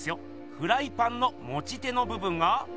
フライパンのもち手のぶぶんが。